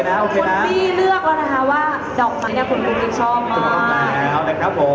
นี่คือคุณพี่เลือกแล้วนะคะว่าดอกไม้นี่คุณพี่ชอบมาก